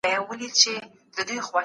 موږ غواړو له نړۍ څخه شناخت پيدا کړو.